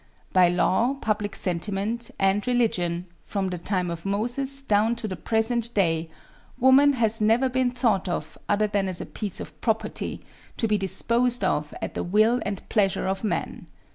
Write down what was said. By law, public sentiment, and religion, from the time of Moses down to the present day, woman has never been thought of other than as a piece of property, to be disposed of at the will and pleasure of man.